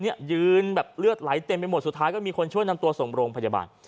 ยืนแบบเลือดไหลเต็มไปหมดสุดท้ายก็มีคนช่วยนำตัวส่งโรงพยาบาล